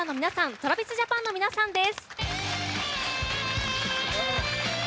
ＴｒａｖｉｓＪａｐａｎの皆さんです。